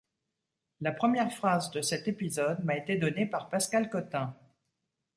La première phrase de cet épisode m’a été donnée par Pascal Cottin.